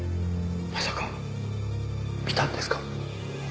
まさか見たんですか？